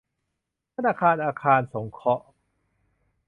ธนาคารอาคารสงเคราะห์